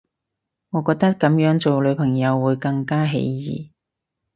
我覺得噉樣做女朋友會更加起疑